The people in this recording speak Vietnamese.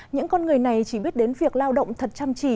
những con người này chỉ biết đến việc lao động thật chăm chỉ